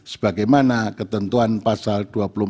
sebagaimana ketentuan pasal dua puluh empat